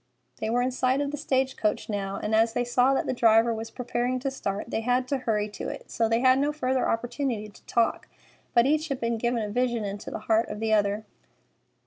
They were in sight of the stage coach now, and as they saw that the driver was preparing to start, they had to hurry to it, so they had no further opportunity to talk; but each had been given a vision into the heart of the other.